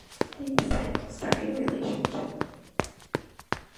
They decide to start a relationship.